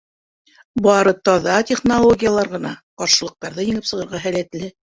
Бары таҙа технологиялар ғына ҡаршылыҡтарҙы еңеп сығырға һәләтле.